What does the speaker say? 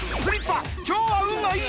今日は運がいい！